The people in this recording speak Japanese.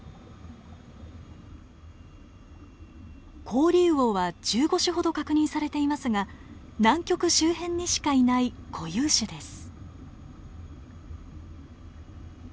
コオリウオは１５種ほど確認されていますが南極周辺にしかいない固有種です。